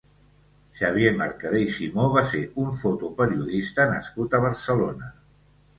Xavier Mercadé i Simó va ser un fotoperiodista nascut a Barcelona.